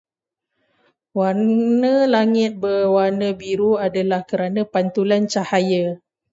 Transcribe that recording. Warna langit berwarna biru adalah kerana pantulan cahaya.